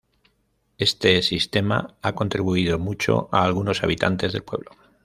Este sistema ha contribuido mucho a algunos habitantes del pueblo.